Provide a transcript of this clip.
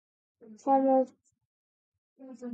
Cormoret belonged to the Barony of Erguel.